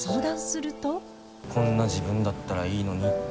「こんな自分だったらいいのに」って。